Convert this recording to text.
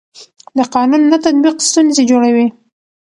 د قانون نه تطبیق ستونزې جوړوي